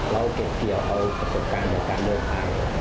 เราเก็บเกี่ยวเขากับการเดินทาง